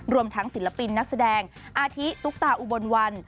รวมทั้งศิลปินนักแสดงอาทิตุ๊กตาอุบลวัน